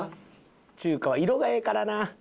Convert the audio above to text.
中華は色がええからな。